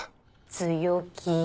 強気。